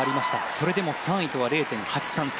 それでも３位とは０．８３差。